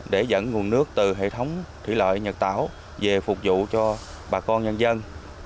để dẫn nguồn nước từ hệ thống thủy lợi nhật tảo về phục vụ cho bà con nhân dân